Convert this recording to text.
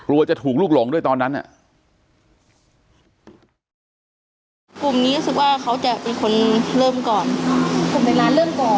กลัวจะถูกลูกหลงด้วยตอนนั้นนะแต่นี่ปุ่มนี้คุณแบบที่อย่างง่ายมากนะครับ